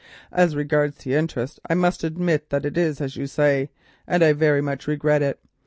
As regards the interest, I admit that it is as you say, and I very much regret it.